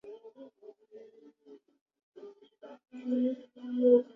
গাড়িতে সে তার আসবাব উঠাইবার জন্য আর্দালিকে প্রথমে ইশারা করিয়াছিল।